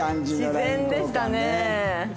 自然でしたね。